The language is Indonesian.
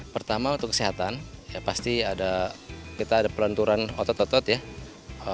pertama untuk kesehatan ya pasti ada kita ada pelenturan otot otot ya